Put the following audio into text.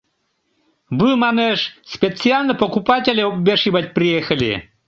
— Вы, манеш, специально покупателей обвешивать приехали...